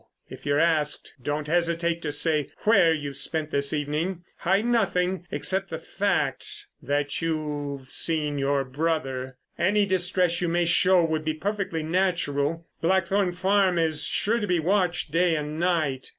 If you're asked, don't hesitate to say where you've spent this evening. Hide nothing—except the fact that you've seen your brother. Any distress you may show would be perfectly natural. Blackthorn Farm is sure to be watched day and night.